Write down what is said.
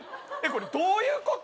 これどういうこと！？